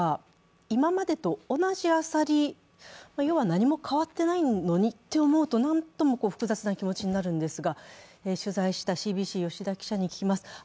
要は何も変わっていないのにと思うとなんとも複雑な気持ちになるんですが取材したＣＢＣ・吉田記者に聞きます。